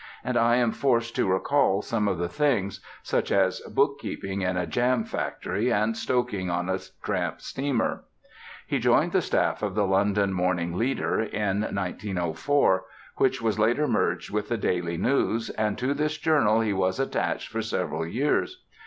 And I am forced to recall some of the things such as bookkeeping in a jam factory and stoking on a tramp steamer." He joined the staff of the London Morning Leader in 1904; which was later merged with the Daily News, and to this journal he was attached for several years.